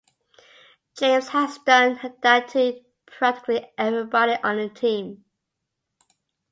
James has done that to practically everybody on the team.